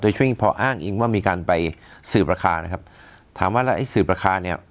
ครึ่งพออ้างอิงว่ามีการไปสืบราคานะครับถามว่าแล้วไอ้สืบราคาเนี่ย